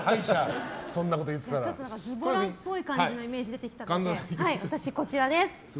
ずぼらっぽい感じのイメージが出てきたので私、こちらです。